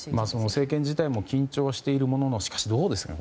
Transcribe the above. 政権自体も緊張しているもののしかし、どうでしょう。